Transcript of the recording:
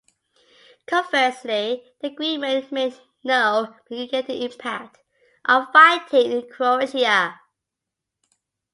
Conversely, the agreement made no mitigating impact on fighting in Croatia.